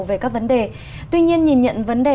về các vấn đề tuy nhiên nhìn nhận vấn đề